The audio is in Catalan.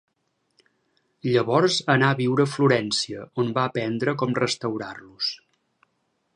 Llavors anà a viure a Florència, on va aprendre com restaurar-los.